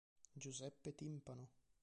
Giuseppe Timpano